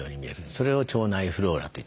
それを腸内フローラと言ってます。